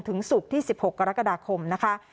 ศุกร์ที่๑๖กรกฎาคมนะคะ